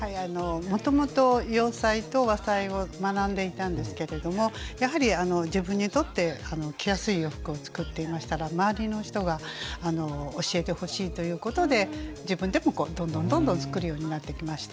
もともと洋裁と和裁を学んでいたんですけれどもやはり自分にとって着やすい洋服を作っていましたら周りの人が教えてほしいということで自分でもどんどんどんどん作るようになってきました。